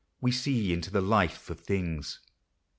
13 We see into the life of things.